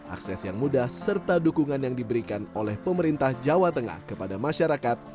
akses yang mudah serta dukungan yang diberikan oleh pemerintah jawa tengah kepada masyarakat